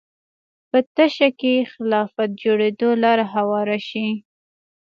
په تشه کې خلافت جوړېدو لاره هواره شي